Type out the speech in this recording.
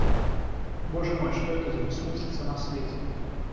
Боже мой, что это за бессмыслица на свете!